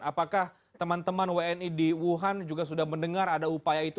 apakah teman teman wni di wuhan juga sudah mendengar ada upaya itu